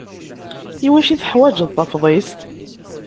I wacu i teḥwaǧeḍ Tafḍist?